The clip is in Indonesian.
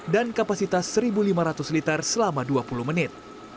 dan kapasitas satu lima ratus liter selama dua puluh menit